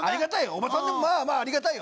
おばさんでもまあまあありがたいよ。